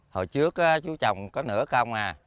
hồi trước chú trồng có nửa công à